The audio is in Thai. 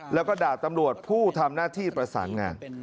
แล้วก็ด่าตำรวจผู้ทำหน้าที่ประสานงาน